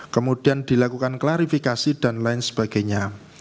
kemudian dilakukan klarifikasi dan lain sebagainya